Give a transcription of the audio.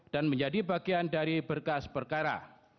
dan menjadi bagian dari berkas perkara